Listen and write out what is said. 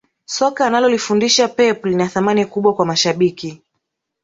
soka analolifundisha pep lina thamani kubwa kwa mashabiki